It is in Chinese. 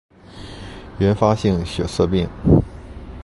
原发性血色病